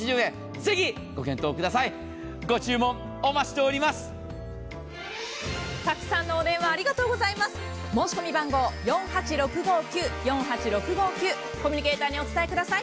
ぜひご検討ください。